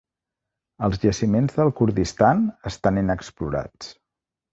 Els jaciments del Kurdistan estan inexplorats